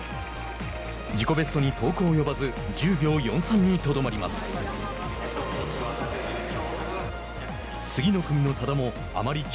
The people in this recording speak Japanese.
自己ベストに遠く及ばず１０秒４３にとどまります。